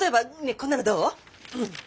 こんなのどう？